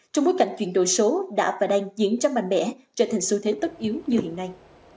trong bối cảnh chuyển đổi số đã và đang diễn ra mạnh mẽ trở thành xu thế tất yếu như hiện nay